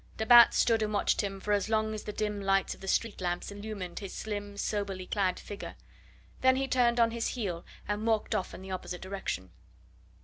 De Batz stood and watched him for as long as the dim lights of the street lamps illumined his slim, soberly clad figure; then he turned on his heel and walked off in the opposite direction.